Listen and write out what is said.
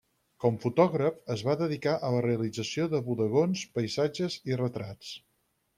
Com fotògraf es va dedicar a la realització de bodegons, paisatges i retrats.